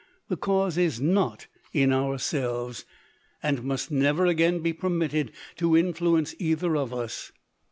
The cause is not in ourselves, 182 LODORE. and must never again be permitted to influence either of us.